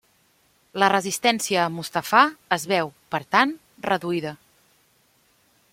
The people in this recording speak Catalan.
La resistència a Mustafà es veu, per tant, reduïda.